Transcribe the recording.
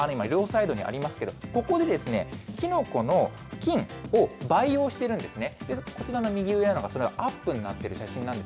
この両サイドにありますけど、ここでですね、キノコの菌を培養しているんですね。